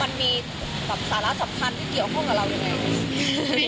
มันมีสาระสำคัญที่เกี่ยวข้องกับเรายังไง